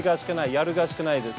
やるしかないです。